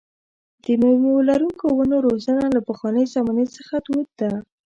د مېوه لرونکو ونو روزنه له پخوانۍ زمانې څخه دود ده.